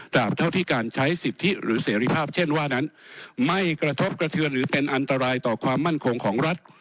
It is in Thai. เท่าที่การใช้สิทธิหรือเสรีภาพเช่นว่านั้นไม่กระทบกระเทือนหรือเป็นอันตรายต่อความมั่นคงของรัฐ